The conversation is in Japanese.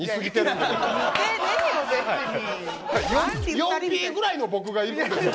４Ｐぐらいの僕がいるんですよね。